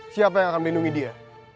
siapa yang akan melindungi dia